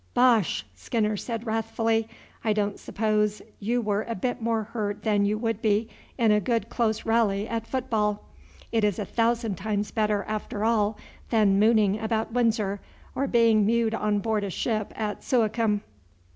"Bosh!" Skinner said wrathfully. "I don't suppose you were a bit more hurt than you would be in a good close rally at football. It is a thousand times better after all than mooning about Windsor, or being mewed on board a ship at Suakim.